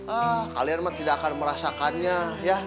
ah kalian tidak akan merasakannya ya